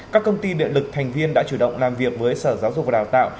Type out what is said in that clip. các công ty điện lực thành viên đã chủ động làm việc với sở giáo dục và đào tạo